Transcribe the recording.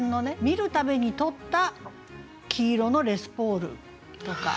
「見る度に撮った黄色のレスポール」とか。